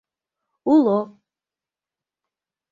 — Уло.